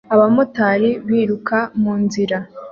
Abamotari biruka munzira